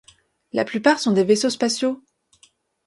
La plupart sont des vaisseaux spatiaux.